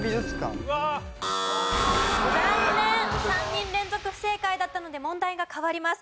３人連続不正解だったので問題が変わります。